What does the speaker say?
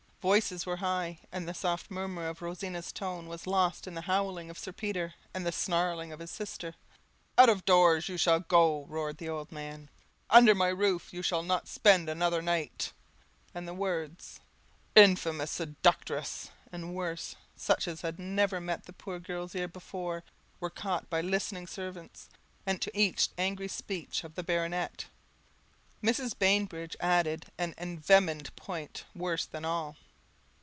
Voices were high, and the soft murmur of Rosina's tone was lost in the howling of Sir Peter and the snarling of his sister. "Out of doors you shall go," roared the old man; "under my roof you shall not spend another night." And the words "infamous seductress," and worse, such as had never met the poor girl's ear before, were caught by listening servants; and to each angry speech of the baronet, Mrs. Bainbridge added an envenomed point worse than all.